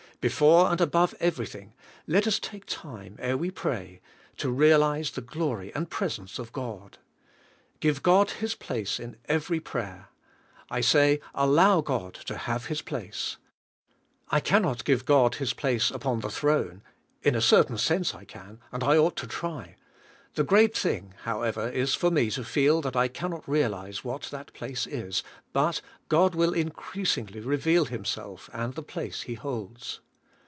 Be fore and above everything^ let us take time ere we pray to realize the glory and presence of God. Give God His place in every prayer. I say, allow God to have His place. I can not give God His place upon the throne — in a certain sense I can, and I ought to try. The great thing, however, 'is for me to feel that I can not realize what that place is, but God will increasingl}^ reveal Himself and the place He holds.